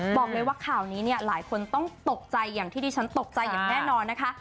บอกเลยว่าข่าวนี้เนี่ยหลายคนต้องตกใจอย่างที่ดิฉันตกใจอย่างแน่นอนนะคะ